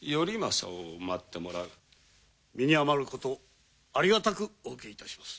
身に余ることありがたくお受けいたします。